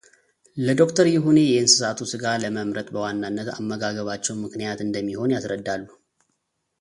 ለዶክተር ይሁኔ የእንስሳቱን ሥጋ ለመምረጥ በዋናነት አመጋገባቸው ምክንያት እንደሚሆን ያስረዳሉ።